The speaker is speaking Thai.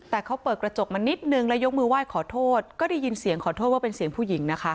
แต่เขาเปิดกระจกมานิดนึงแล้วยกมือไหว้ขอโทษก็ได้ยินเสียงขอโทษว่าเป็นเสียงผู้หญิงนะคะ